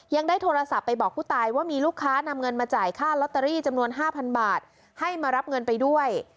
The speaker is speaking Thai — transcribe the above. ยังได้โทรศัพท์ไปบอกผู้ตายว่ามีลูกค้านำเงินมาจ่ายค่าลอตเตอรี่จำนวน๕๐๐บาทให้มารับเงินไปด้วย